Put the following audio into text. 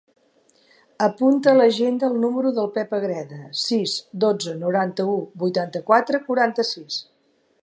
Apunta a l'agenda el número del Pep Agreda: sis, dotze, noranta-u, vuitanta-quatre, quaranta-sis.